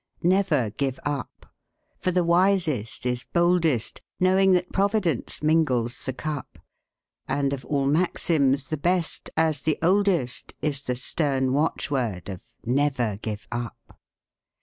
Never give up; for the wisest is boldest, Knowing that Providence mingles the cup, And of all maxims, the best, as the oldest, Is the stern watchword of 'Never give up!'"